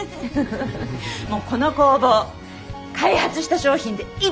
もうこの工房開発した商品でいっぱいにしよう。